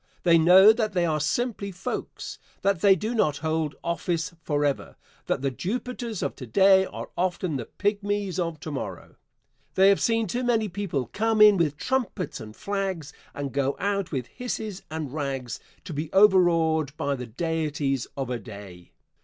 They know that they are simply folks that they do not hold office forever that the Jupiters of to day are often the pygmies of to morrow. They have seen too many people come in with trumpets and flags and go out with hisses and rags to be overawed by the deities of a day.